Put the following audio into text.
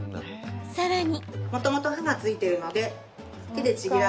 さらに。